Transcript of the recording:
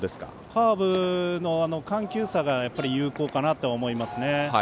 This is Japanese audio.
カーブの緩急差が有効かなと思いますね。